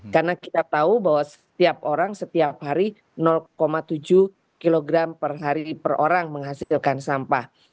karena kita tahu bahwa setiap orang setiap hari tujuh kilogram per hari per orang menghasilkan sampah